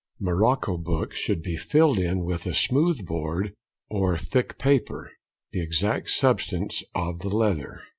Morocco books should be filled in with a smooth board or thick paper, the exact substance of the leather.